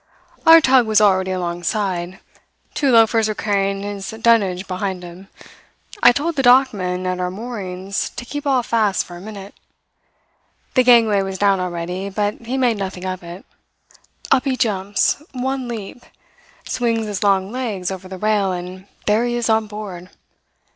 "Our tug was already alongside. Two loafers were carrying his dunnage behind him. I told the dockman at our moorings to keep all fast for a minute. The gangway was down already; but he made nothing of it. Up he jumps, one leap, swings his long legs over the rail, and there he is on board.